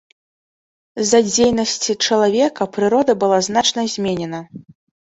З-за дзейнасці чалавека прырода была значна зменена.